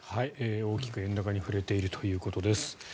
大きく円高に振れているということです。